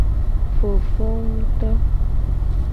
Fofowu to.